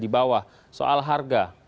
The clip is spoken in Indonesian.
di bawah soal harga